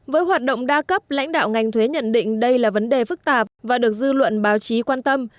với hoạt động đa cấp lãnh đạo ngành thuế nhận định đây là vấn đề phức tạp và được dư luận báo chí quan tâm